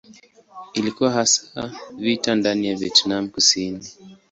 Ilikuwa hasa vita ndani ya Vietnam Kusini.